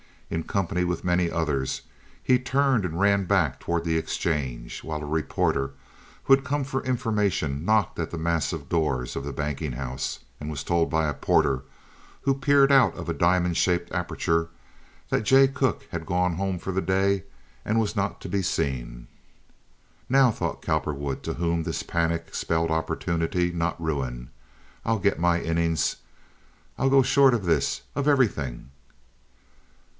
In company with many others he turned and ran back toward the exchange, while a reporter, who had come for information knocked at the massive doors of the banking house, and was told by a porter, who peered out of a diamond shaped aperture, that Jay Cooke had gone home for the day and was not to be seen. "Now," thought Cowperwood, to whom this panic spelled opportunity, not ruin, "I'll get my innings. I'll go short of this—of everything."